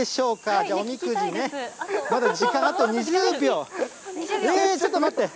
じゃあ、おみくじね、まだ時間あと２０秒、ちょっと待って。